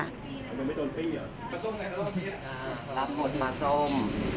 รับหมดปลาส้ม